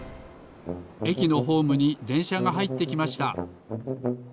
えきのホームにでんしゃがはいってきました。